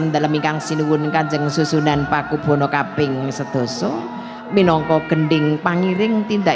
dalam ikan sini gunakan jeng susu dan paku bono kapping sedoso minongko kending panggiring tindak